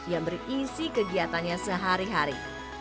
yang berisi kegiatannya sehari hari